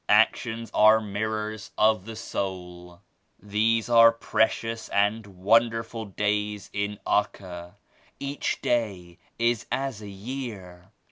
Actions are mirrors of the soul." "These are precious and wonderful days in Acca. Each day is as a year.